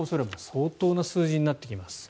相当な数字になってきます。